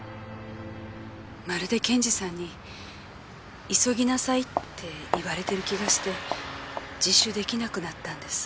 まるで検事さんに急ぎなさいって言われてる気がして自首できなくなったんです。